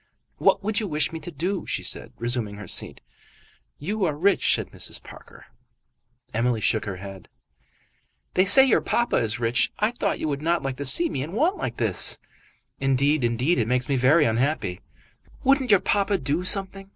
"What would you wish me to do?" she said, resuming her seat. "You are rich," said Mrs. Parker. Emily shook her head. "They say your papa is rich. I thought you would not like to see me in want like this." "Indeed, indeed, it makes me very unhappy." "Wouldn't your papa do something?